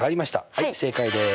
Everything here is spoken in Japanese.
はい正解です。